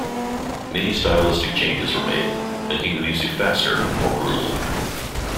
Many stylistic changes were made, making the music faster and more brutal.